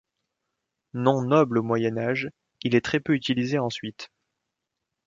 Nom noble au Moyen Âge, il est très peu utilisé ensuite.